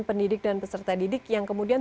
pendidik dan peserta didik yang kemudian